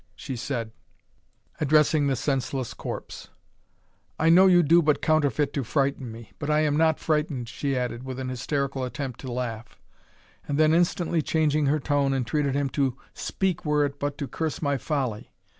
she said, addressing the senseless corpse; "I know you do but counterfeit to frighten me, but I am not frightened," she added, with an hysterical attempt to laugh; and then instantly changing her tone, entreated him to "speak, were it but to curse my folly.